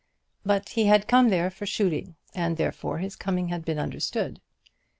But he had come there for shooting, and therefore his coming had been understood.